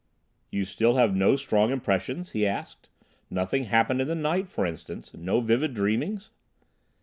"You still have no strong impressions?" he asked. "Nothing happened in the night, for instance? No vivid dreamings?"